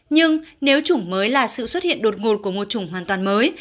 nhưng nếu chủng mới là sự xuất hiện đột ngột của một chủng hoàn toàn mới